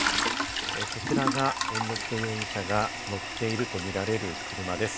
こちらが猿之助容疑者が乗っているとみられる車です。